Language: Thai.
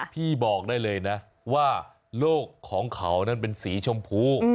พี่บอกได้เลยนะว่าโลกของเขานั้นเป็นสีชมพู